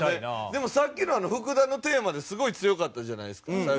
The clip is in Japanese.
でもさっきの福田のテーマですごい強かったじゃないですかさ